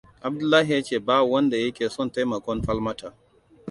Abdullahi ya ce ba wanda yake son taimakon Falmata.